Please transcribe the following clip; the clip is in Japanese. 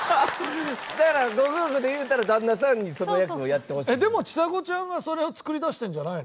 だからご夫婦で言うたら旦那さんにその役をやってほしい？でもちさ子ちゃんがそれを作り出してるんじゃないの？